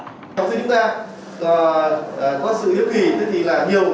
trong khi chúng ta có sự yếu kỳ thì là nhiều